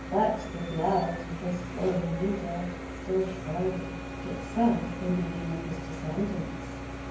But the blood of this royal leader still showed itself in many of his descendants.